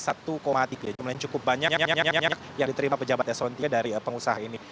jumlahnya cukup banyak yang diterima pejabat eselon tiga dari pengusaha ini